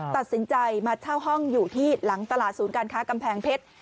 ตัดสินใจมาเช่าห้องอยู่ที่หลังตลาดศูนย์การค้ากำแพงเพชร